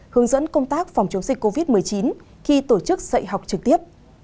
hướng dẫn công tác phòng chống dịch covid một mươi chín khi tổ chức dạy học trực tiếp